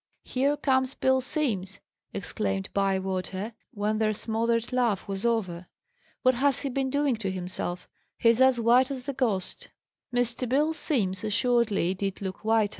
"Here comes Bill Simms!" exclaimed Bywater, when their smothered laugh was over. "What has he been doing to himself? He's as white as the ghost!" Mr. Bill Simms assuredly did look white.